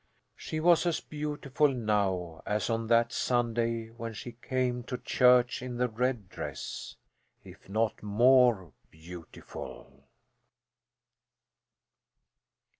She was as beautiful now as on that Sunday when she came to church in the red dress, if not more beautiful.